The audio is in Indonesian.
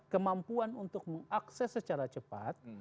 kemampuan untuk mengakses secara cepat